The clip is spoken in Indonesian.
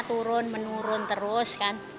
turun menurun terus kan